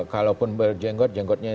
kalaupun berjenggot jenggotnya